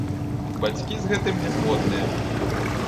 Бацькі з гэтым не згодныя.